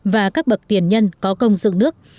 và các bậc tiền nhân có ứng dụng